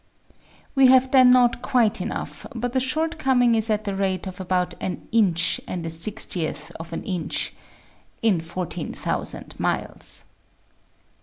We have then not quite enough ; but the shortcoming is at the rate of about an inch and a sixtieth of an inch in 14,000 miles."